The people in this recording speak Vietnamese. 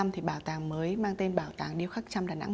thì bảo tàng mới mang tên bảo tàng điêu khắc trăm đà nẵng